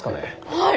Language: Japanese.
はい！